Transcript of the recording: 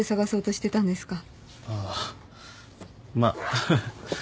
ああまあ。